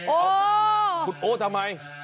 โอ้โหคุณโอ๊ทำไม